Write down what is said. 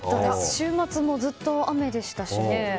週末もずっと雨でしたしね。